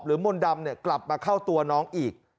หรือมนต์ดำเนี่ยกลับมาเข้าตัวน้องอีก